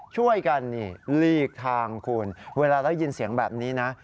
ช่วยกันนี่ลีกทางคุณเวลาได้ยินเสียงแบบนี้นะ